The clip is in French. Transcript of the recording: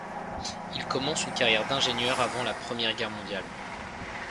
Il commence une carrière d'ingénieur avant la Première Guerre mondiale.